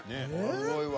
すごいわ。